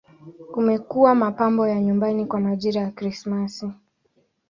Umekuwa mapambo ya nyumbani kwa majira ya Krismasi.